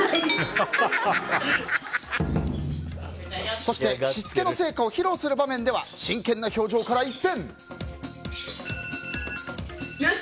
そして、しつけの成果を披露する場面では真剣な表情から一変。